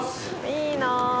いいな。